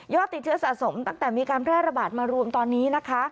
ติดเชื้อสะสมตั้งแต่มีการแพร่ระบาดมารวมตอนนี้นะคะ